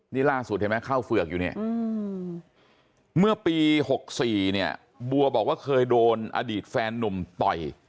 นี่ล่าสุดเห็นไหมเข้าเฝือกอยู่เนี่ยเมื่อปี๖๔เนี่ยบัวบอกว่าเคยโดนอดีตแฟนนุ่มต่อย